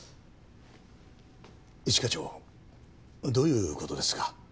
一課長どういう事ですか？